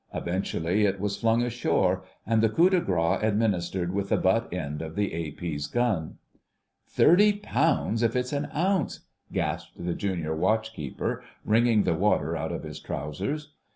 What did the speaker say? Eventually it was flung ashore, and the coup de grâce administered with the butt end of the A.P.'s gun. "Thirty pounds, if it's an ounce," gasped the Junior Watch keeper, wringing the water out of his trousers.